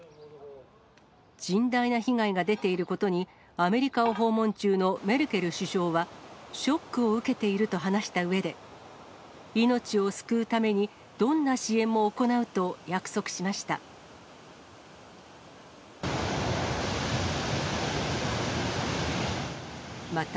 甚大な被害が出ていることに、アメリカを訪問中のメルケル首相は、ショックを受けていると話したうえで、命を救うために、どんな支援も行うと約束しました。